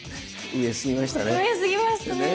上すぎましたね！